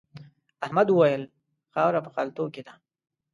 احمد وويل: خاوره په خلتو کې ده.